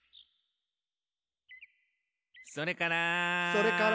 「それから」